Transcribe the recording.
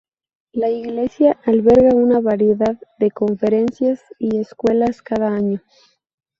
La iglesia alberga una variedad de conferencias y escuelas cada año.